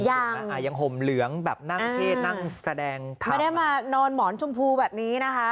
เห็นไหมอ่ายังห่มเหลืองแบบนั่งเทศนั่งแสดงไม่ได้มานอนหมอนชมพูแบบนี้นะคะ